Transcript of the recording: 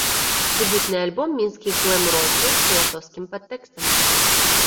Дэбютны альбом мінскіх глэм-рокераў з філасофскім падтэкстам.